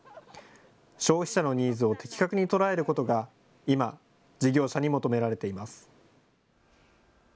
消費者のニーズを的確に捉えることが今、事業者に求められています。